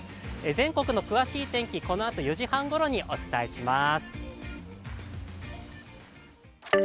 全国の詳しい天気、このあと４時半ごろにお伝えします。